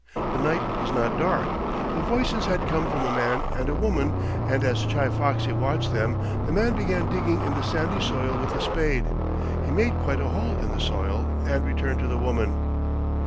The night was not dark. The voices had come from a man and a woman, and as Chi Foxy watched them the man began digging in the sandy soil with a spade. He made quite a hole in the soil and turned to the woman.